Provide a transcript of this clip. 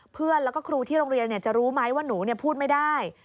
เพื่อนแล้วก็ครูที่โรงเรียนจะรู้ไหมว่าหนูพูดไม่ได้